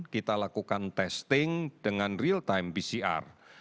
kita lakukan testing dengan real time pcr